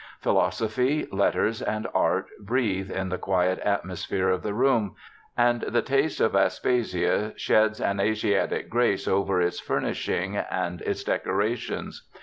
Philosophy, letters, and art breathe in the quiet atmosphere of the room ; and the taste of Aspasia sheds ag Asiatic grace over its furnishing and its decorations.